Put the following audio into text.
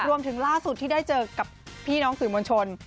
ล่าสุดที่ได้เจอกับพี่น้องสื่อมวลชน